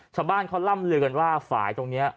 ชาวบ้านเขาล่ำลือกันว่าฝ่ายตรงนี้